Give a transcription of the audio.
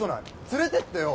連れてってよ。